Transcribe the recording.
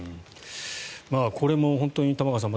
これも本当に、玉川さん